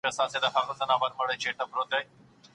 زه تل نوي شیان تجربه کوم.